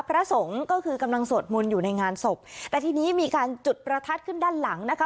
พระสงฆ์ก็คือกำลังสวดมนต์อยู่ในงานศพแต่ทีนี้มีการจุดประทัดขึ้นด้านหลังนะคะ